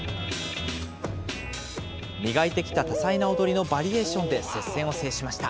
磨いてきた多彩な踊りのバリエーションで、接戦を制しました。